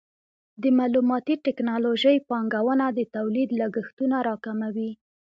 د معلوماتي ټکنالوژۍ پانګونه د تولید لګښتونه راکموي.